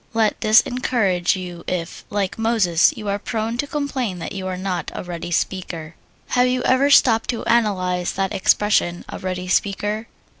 Let this encourage you if, like Moses, you are prone to complain that you are not a ready speaker. Have you ever stopped to analyze that expression, "a ready speaker?"